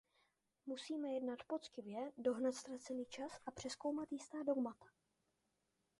Musíme jednat poctivě, dohnat ztracený čas a přezkoumat jistá dogmata.